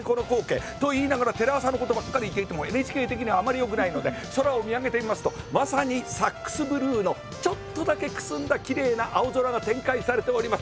と言いながらテレ朝のことばっかり言っていてもＮＨＫ的にはあまりよくないので空を見上げてみますとまさにサックスブルーのちょっとだけくすんだきれいな青空が展開されております。